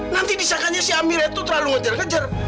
nanti disangkanya si aminah itu terlalu ngejar ngejar